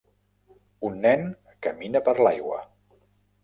Un nen camina per l'aigua.